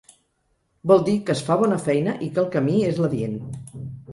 Vol dir que es fa bona feina i que el camí és l’adient.